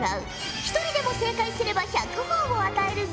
１人でも正解すれば１００ほぉを与えるぞ。